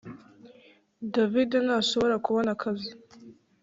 David ntashobora kubona akazi